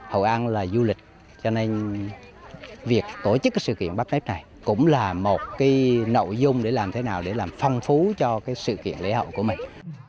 hội an là du lịch cho nên việc tổ chức sự kiện bucket này cũng là một nội dung để làm thế nào để làm phong phú cho cái sự kiện lễ hậu của mình